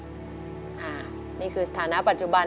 นี่คือสถานะปัจจุบัน